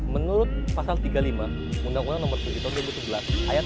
menurut pasal tiga puluh lima undang undang nomor tujuh tahun dua ribu sebelas